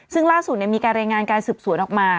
ซึ่งล่าสุดมีการรายงานการสืบสวนออกมา